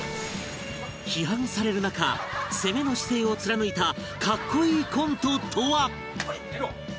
批判される中攻めの姿勢を貫いた格好いいコントとは？